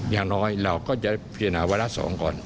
อย่างน้อยเราก็จะพิจารณาวาระ๒ก่อน